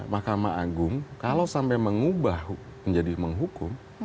mahkamah agung kalau sampai mengubah menjadi menghukum